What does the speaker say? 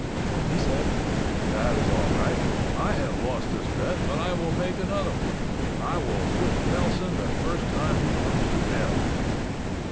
He said, "That is all right. I have lost this bet, but I will make another one—I will whip Nelson the first time he comes to town."